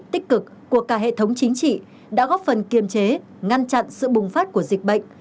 tích cực của cả hệ thống chính trị đã góp phần kiềm chế ngăn chặn sự bùng phát của dịch bệnh